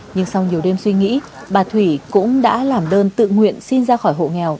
nhưng sau nhiều đêm suy nghĩ bà thủy cũng đã làm đơn tự nguyện xin ra khỏi hộ nghèo